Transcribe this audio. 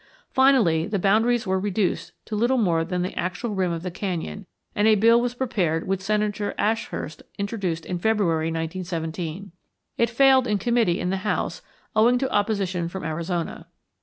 Finally the boundaries were reduced to little more than the actual rim of the canyon, and a bill was prepared which Senator Ashurst introduced in February, 1917. It failed in committee in the House owing to opposition from Arizona.